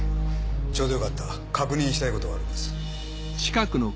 ちょうどよかった確認したいことがあるんです。